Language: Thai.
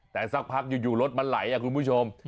แต่สักพักอยู่รถมันไหลคุณผู้ชม